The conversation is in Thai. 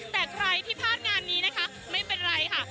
แต่ใครที่พลาดงานนี้นะคะไม่เป็นไรค่ะ